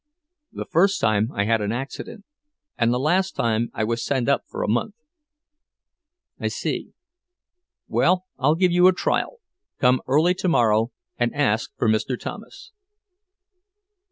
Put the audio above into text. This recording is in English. "The first time I had an accident, and the last time I was sent up for a month." "I see. Well, I'll give you a trial. Come early tomorrow and ask for Mr. Thomas."